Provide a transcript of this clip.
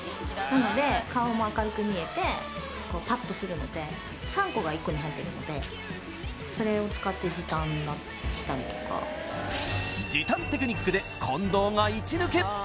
なので顔も明るく見えてパッとするので３個が１個に入ってるのでそれを使って時短したのとか時短テクニックで近藤がイチ抜け